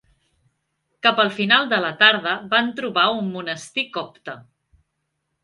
Cap al final de la tarda, van trobar un monestir copte.